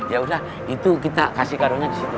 yaudah itu kita kasih karunnya di situ aja